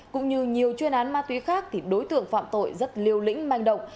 cũng như nhiều chuyên án ma túy khác thì đối tượng phạm tội rất liêu lĩnh manh động